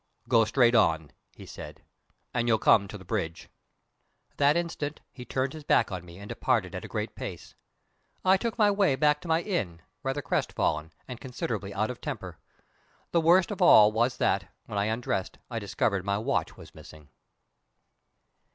"Go straight on," he said, "and you'll come to the bridge." That instant he turned his back on me and departed at a great pace. I took my way back to my inn, rather crestfallen, and considerably out of temper. The worst of all was that, when I undressed, I discovered my watch was missing.